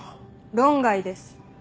論外です。